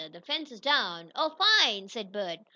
"The fence is down." "Oh, fine!" said Bert.